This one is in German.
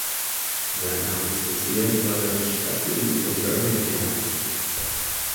Sein Amtsbezirk war das Stadtgebiet von Birmingham.